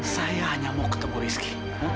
saya hanya mau ketemu rizky